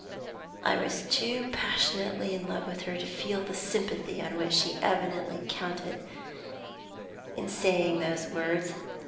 I was too passionately in love with her to feel the sympathy on which she evidently counted in saying those words.